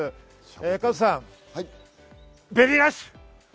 加藤さん、ベビーラッシュ！